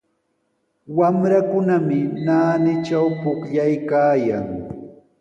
Wamrakunami naanitraw pukllaykaayan.